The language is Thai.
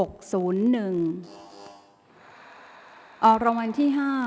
ข่าวแถวรับทีวีรายงาน